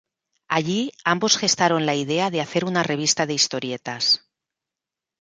Allí ambos gestaron la idea de hacer una revista de historietas.